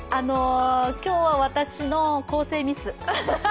今日は私の構成ミス。